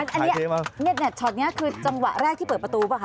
ชอตนี้คือจังหวะแรกที่เปิดประตูหรือเปล่าคะ